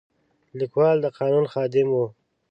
لیکوال د قانون خادم و.